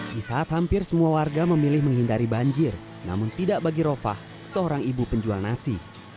di saat hampir semua warga memilih menghindari banjir namun tidak bagi rofah seorang ibu penjual nasi